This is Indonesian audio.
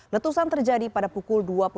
letusan terjadi pada pukul dua puluh